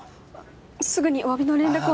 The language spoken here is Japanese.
すぐにお詫びの連絡を。